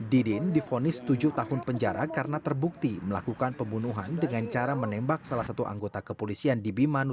didin difonis tujuh tahun penjara karena terbukti melakukan pembunuhan dengan cara menembak salah satu anggota kepolisian di bimanusia